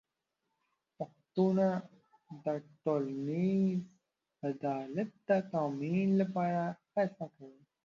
بنسټونه د ټولنیز عدالت د تامین لپاره هڅه کوي.